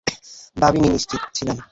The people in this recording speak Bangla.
ভাবি নি নিশ্চিত ছিলাম।